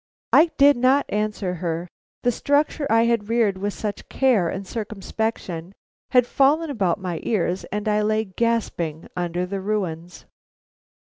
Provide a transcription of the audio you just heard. I did not answer her; the structure I had reared with such care and circumspection had fallen about my ears and I lay gasping under the ruins.